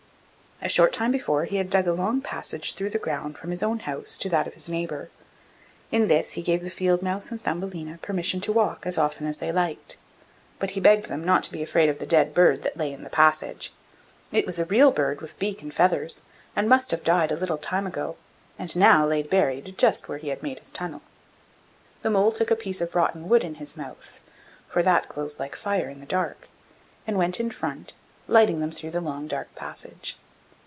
A short time before he had dug a long passage through the ground from his own house to that of his neighbour; in this he gave the field mouse and Thumbelina permission to walk as often as they liked. But he begged them not to be afraid of the dead bird that lay in the passage: it was a real bird with beak and feathers, and must have died a little time ago, and now laid buried just where he had made his tunnel. The mole took a piece of rotten wood in his mouth, for that glows like fire in the dark, and went in front, lighting them through the long dark passage.